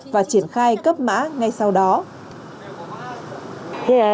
và triển khai cấp mã ngay sau đó